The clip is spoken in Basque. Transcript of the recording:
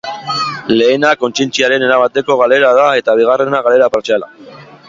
Lehena, kontzientziaren erabateko galera da eta bigarrena galera partziala.